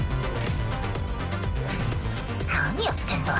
何やってんだ？